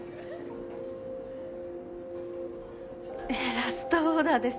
ラストオーダーです。